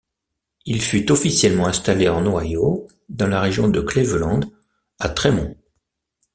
Il fut officiellement installé en Ohio, dans la région de Cleveland, à Trémont.